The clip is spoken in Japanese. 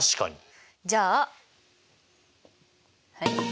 じゃあはい。